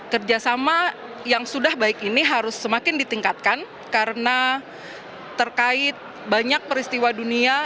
kerjasama yang sudah baik ini harus semakin ditingkatkan karena terkait banyak peristiwa dunia